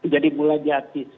jadi mulai diakses